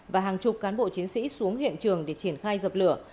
và hàng chục cán bộ chiến sĩ xuống hiện trường để triển khai dập lửa